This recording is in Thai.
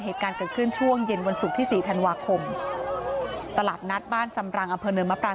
เหตุการณ์เกิดขึ้นช่วงเย็นวันศุกร์ที่สี่ธันวาคมตลาดนัดบ้านสำรังอำเภอเนินมะปราง